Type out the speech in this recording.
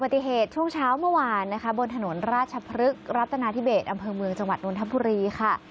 ปฏิเหตุช่วงเช้าเมื่อวานบนถนนราชพลึกรับตนาทิเบศอำเภอเมืองจังหวัดนวลธัมภุรีค่ะ